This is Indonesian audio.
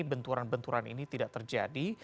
benturan benturan ini tidak terjadi